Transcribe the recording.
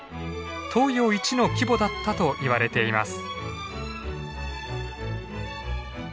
東洋一の規模だったといわれています。